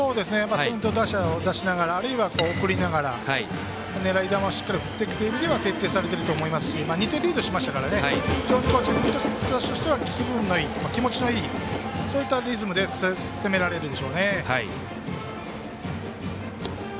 先頭打者を出しながらあるいは送りながら狙い球をしっかり振っていくという意味では徹底されていると思いますし２点リードしていますし自分たちとしては、気持ちのいいそういったリズムで攻められるでしょうね。